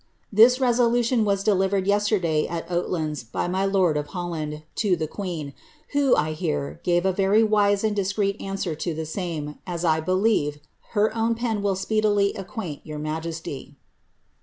* This resolu ' "n was delivered yesterday at Oatlands, by my lord of Holland to the queen, *no, I hear, gave a very wise and discreet answer to the same, as, I believe, ^iT ou'n pen will speedily acquaint your majesty."